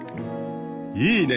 いいね。